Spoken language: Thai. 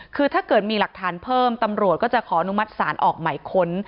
คือถ้าเกิดมีหลักฐานเพิ่มตำรวจก็จะขออนุมัติศาลออกหมายค้น